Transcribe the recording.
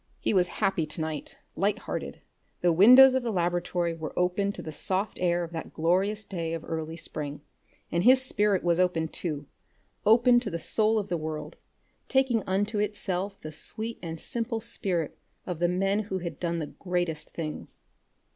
He was happy to night, light hearted. The windows of the laboratory were open to the soft air of that glorious day of early spring, and his spirit was open too, open to the soul of the world, taking unto itself the sweet and simple spirit of the men who have done the greatest things.